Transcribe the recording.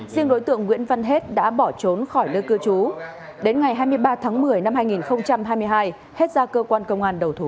riêng đối tượng nguyễn văn hết đã bỏ trốn khỏi nơi cư trú đến ngày hai mươi ba tháng một mươi năm hai nghìn hai mươi hai hết ra cơ quan công an đầu thú